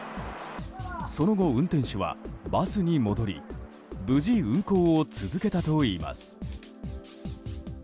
その後、運転手はバスに戻り無事運行を続けたといいます。